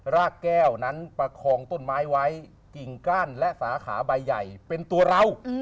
รากแก้วนั้นประคองต้นไม้ไว้กิ่งก้านและสาขาใบใหญ่เป็นตัวเรา